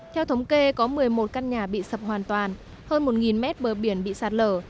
theo thống kê có một mươi một căn nhà bị sập hoàn toàn hơn một mét bờ biển bị sạt lở